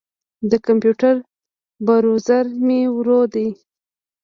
د کمپیوټر بروزر مې ورو دی.